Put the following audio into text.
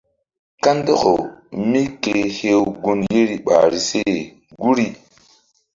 Kandɔkaw míke hew gun yeri ɓahri se guri.